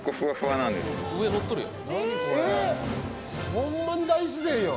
ホンマに大自然やん。